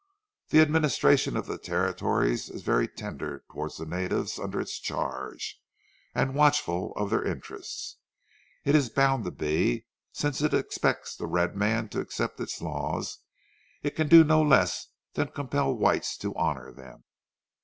The administration of the Territories is very tender towards the natives under its charge, and watchful of their interests. It is bound to be. Since it expects the red man to accept its laws, it can do no less than compel whites to honour them."